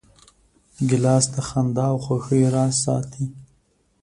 ګیلاس د خندا او خوښۍ راز ساتي.